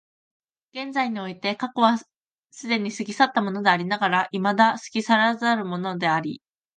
現在において過去は既に過ぎ去ったものでありながら未だ過ぎ去らざるものであり、